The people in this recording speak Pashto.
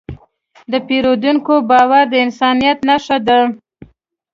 د پیرودونکي باور د انسانیت نښه ده.